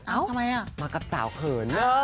เอ้าทำไมอ่ะมากับสาวเขิน